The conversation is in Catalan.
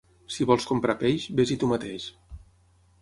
Si vols comprar peix, ves-hi tu mateix.